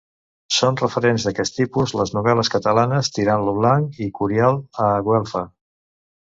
Són referents d'aquest tipus, les novel·les catalanes Tirant lo Blanc i Curial e Güelfa.